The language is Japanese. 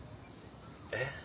えっ？